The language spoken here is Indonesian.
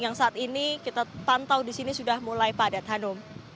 yang saat ini kita pantau disini sudah mulai padat hanum